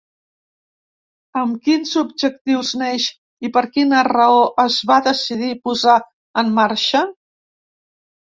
Amb quins objectius neix i per quina raó es va decidir posar en marxa?